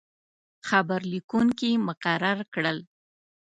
خبر لیکونکي مقرر کړل.